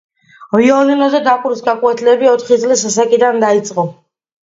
ვიოლინოზე დაკვრის გაკვეთილები ოთხი წლის ასაკიდან დაიწყო.